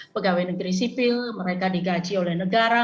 pegawai negeri sipil mereka digaji oleh negara